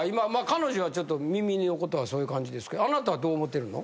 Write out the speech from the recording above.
彼女は耳のことはそういう感じですけどあなたはどう思ってるの？